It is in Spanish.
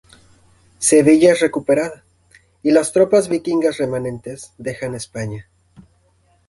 Sevilla es recuperada, y las tropas vikingas remanentes dejan España.